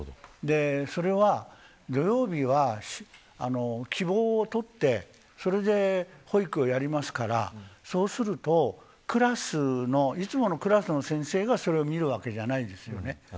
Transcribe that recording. それは、土曜日は希望をとってそれで保育をやりますからそうすると、いつものクラスの先生がそれを見るわけではないんです。